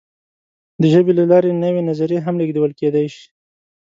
د ژبې له لارې نوې نظریې هم لېږدول کېدی شي.